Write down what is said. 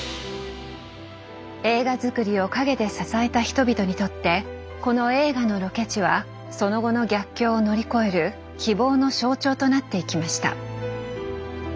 映画づくりを陰で支えた人々にとってこの映画のロケ地はその後の逆境を乗り越える希望の象徴となっていきました。